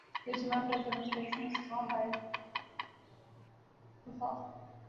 ترجمہ فیض احمد فیض نسخہ ہائے وفا